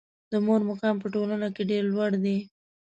د مور مقام په ټولنه کې ډېر لوړ ده.